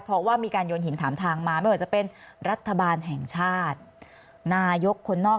เพราะว่ามีการโยนหินถามทางมาไม่ว่าจะเป็นรัฐบาลแห่งชาตินายกคนนอก